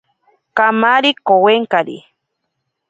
Kamari kowenkari.